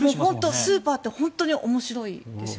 スーパーって本当に面白いですよ。